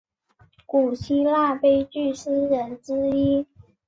古希腊悲剧诗人之一。